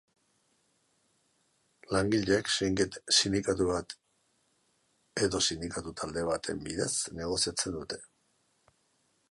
Langileek sindikatu bat edo sindikatu talde baten bidez negoziatzen dute.